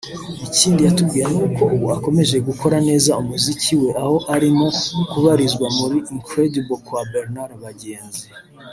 ikindi yatubwiye n’uko ubu akomeje gukora neza umuziki we aho arimo kubarizwa muri Incredible kwa Bernard Bagenzi